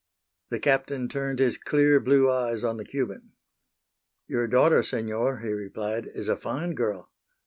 The Captain turned his clear blue eyes on the Cuban. "Your daughter, Senor," he replied, "is a fine girl."